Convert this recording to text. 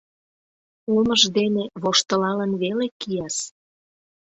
Омыж дене воштылалын веле кияс!